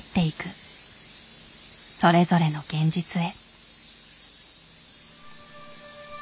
それぞれの現実へ。